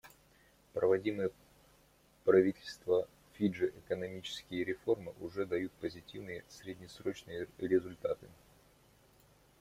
Проводимые правительство Фиджи экономические реформы уже дают позитивные среднесрочные результаты.